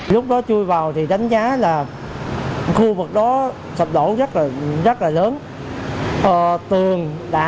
lúc đó chui vào thì đánh giá là khu vực đó sập đổ rất là lớn